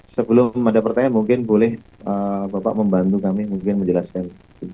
sebelum ada pertanyaan mungkin boleh bapak membantu kami mungkin menjelaskan